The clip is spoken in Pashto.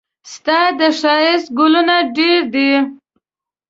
ستا د ښايست ګلونه ډېر دي.